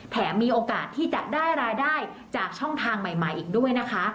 มีโอกาสที่จะได้รายได้จากช่องทางใหม่อีกด้วยนะคะ